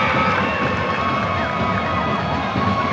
โปรดติดตามตอนต่อไป